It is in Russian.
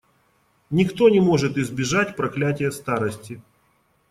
Никто не может избежать проклятия старости.